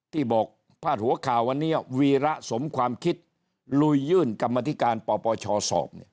ที่บอกพาดหัวข่าววันนี้วีระสมความคิดลุยยื่นกรรมธิการปปชสอบ